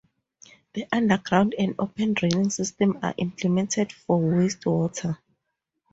The underground and open draining systems are implemented for wastewater.